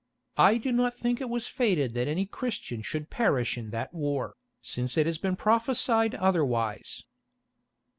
I do not think it was fated that any Christian should perish in that war, since it has been prophesied otherwise."